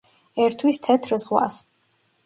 ერთვის თეთრ ზღვას.